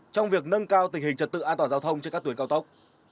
trong việc nâng cao tình hình trật tự an toàn giao thông trên các tuyến cao tốc